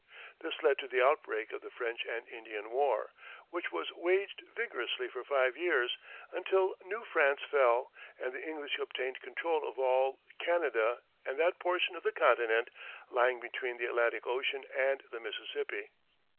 This led to the outbreak of the French and Indian War, which was waged vigorously for five years, until New France fell, and the English obtained control of all Canada and that portion of the continent lying between the Atlantic Ocean and the Mississippi.